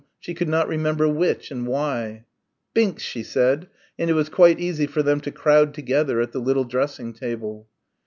She could not remember which and why. "Binks," she said, and it was quite easy for them to crowd together at the little dressing table.